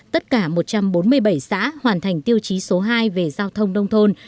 tất cả một trăm bốn mươi bảy xã hoàn thành tiêu chí số hai về giao thông nông thôn